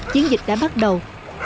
chiến dịch đã bắt đầu